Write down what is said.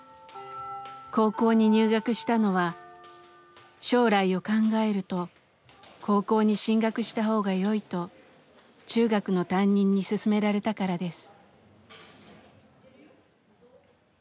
高校に入学したのは「将来を考えると高校に進学した方がよい」と中学の担任に勧められたからです。